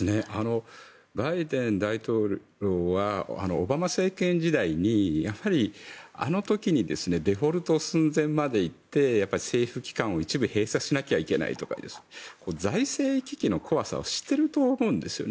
バイデン大統領はオバマ政権時代にあの時にデフォルト寸前まで行って政府機関を一部閉鎖しなきゃいけないとか財政危機の怖さを知っていると思うんです。